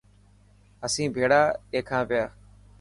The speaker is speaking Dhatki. اسين ڀيڙا ڏيکان پيا.